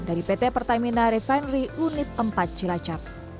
dari pt pertamina refinery unit empat cilacap